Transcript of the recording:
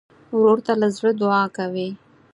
ورور ته له زړه دعا کوې.